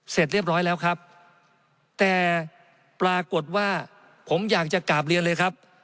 เสร็จเรียบร้อยแล้วครับแต่ปรากฏว่าผมอยากจะกราบเรียนเลยครับ